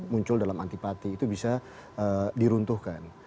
muncul dalam antipati itu bisa diruntuhkan